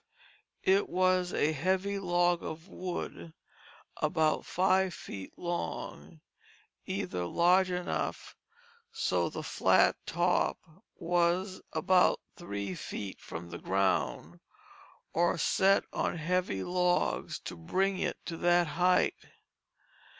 It was a heavy log of wood about five feet long, either large enough so the flat top was about three feet from the ground, or set on heavy logs to bring it to that height.